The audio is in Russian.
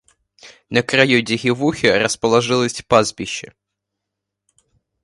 На краю деревухи расположилось пастбище.